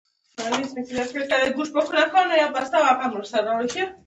_په څاه کې دې څه کول؟